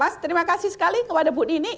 mas terima kasih sekali kepada bu dini